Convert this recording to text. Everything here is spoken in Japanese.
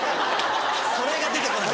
それが出てこない。